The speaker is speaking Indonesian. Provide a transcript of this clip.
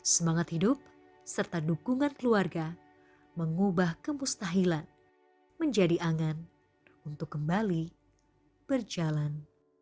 semangat hidup serta dukungan keluarga mengubah kemustahilan menjadi angan untuk kembali berjalan